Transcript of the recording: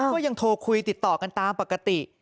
ก็ยังโทรคุยติดต่อกันตามปกติ